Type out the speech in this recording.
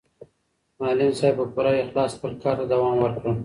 معلم صاحب په پوره اخلاص خپل کار ته دوام ورکړ.